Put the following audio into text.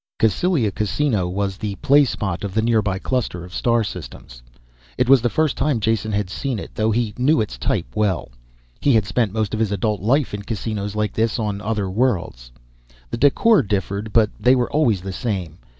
Cassylia Casino was the playspot of the nearby cluster of star systems. It was the first time Jason had seen it, though he knew its type well. He had spent most of his adult life in casinos like this on other worlds. The decor differed but they were always the same.